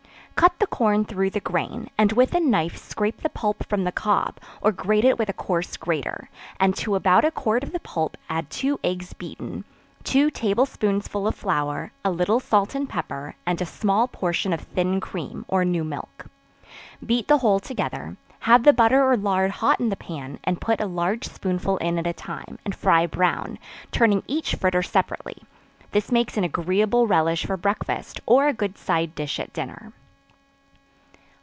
Cut the corn through the grain, and with a knife scrape the pulp from the cob, or grate it with a coarse grater, and to about a quart of the pulp, add two eggs beaten, two table spoonsful of flour, a little salt and pepper, and a small portion of thin cream, or new milk; beat the whole together; have the butter or lard hot in the pan, and put a large spoonful in at a time, and fry brown, turning each fritter separately; this makes an agreeable relish for breakfast, or a good side dish at dinner.